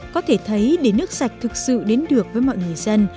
có thể thấy để nước sạch thực sự đến được với mọi người dân